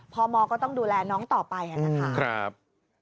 พมก็ต้องดูแลน้องต่อไปนะครับ